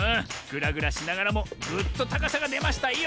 ぐらぐらしながらもぐっとたかさがでましたよ！